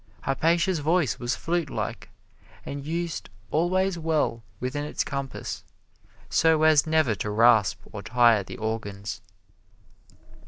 Hypatia's voice was flute like, and used always well within its compass, so as never to rasp or tire the organs.